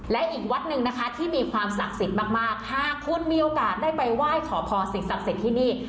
และอีกวัดหนึ่งนะคะที่มีความศักดิ์สิทธิ์มากหากคุณมีโอกาสได้ไปไหว้ขอพรสิ่งศักดิ์สิทธิ์ที่นี่